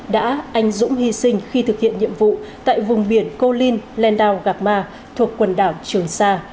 đã anh dũng hy sinh khi thực hiện nhiệm vụ tại vùng biển cô linh landao gạc ma thuộc quần đảo trường sa